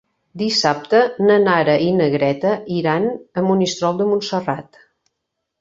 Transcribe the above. Dissabte na Nara i na Greta iran a Monistrol de Montserrat.